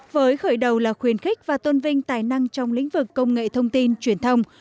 với khởi đầu là khuyến khích và tôn vinh tài năng trong lĩnh vực công nghệ thông tin truyền thông